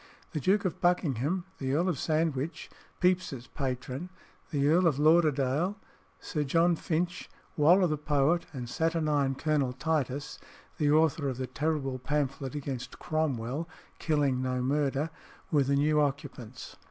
The Duke of Buckingham, the earl of Sandwich (Pepys's patron), the Earl of Lauderdale, Sir John Finch, Waller the poet, and saturnine Colonel Titus (the author of the terrible pamphlet against Cromwell, Killing no Murder) were the new occupants.